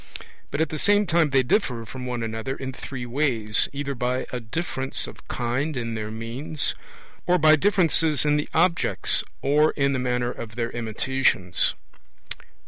But at the same time they differ from one another in three ways, either by a difference of kind in their means, or by differences in the objects, or in the manner of their imitations.